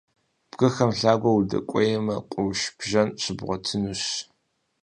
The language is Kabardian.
Бгыхэм лъагэу удэкӀуеймэ, къурш бжэн щыбгъуэтынущ.